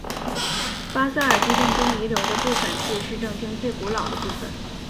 巴塞尔地震中遗留的部分是市政厅最古老的部分。